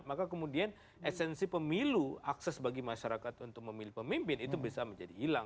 maka kemudian esensi pemilu akses bagi masyarakat untuk memilih pemimpin itu bisa menjadi hilang